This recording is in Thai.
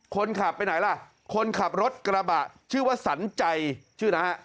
คนขับไปไหนล่ะคนขับรถกระบะชื่อว่าสันใจชื่อนะฮะ